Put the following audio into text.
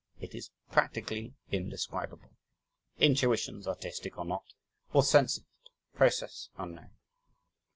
It is practically indescribable. Intuitions (artistic or not?) will sense it process, unknown.